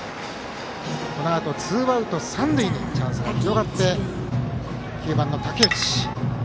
このあとツーアウト三塁までチャンスが広がって９番の武内。